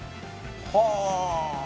はあ！